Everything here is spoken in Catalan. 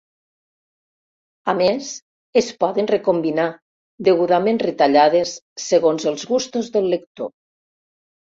A més, es poden recombinar, degudament retallades, segons els gustos del lector.